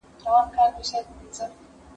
زه به موبایل کار کړی وي،